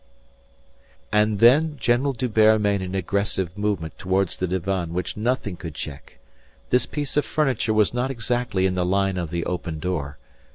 And then General D'Hubert made an aggressive movement towards the divan which nothing could check. This piece of furniture was not exactly in the line of the open door.